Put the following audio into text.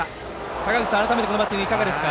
坂口さん、改めてこのバッティングいかがですか？